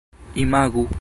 imagu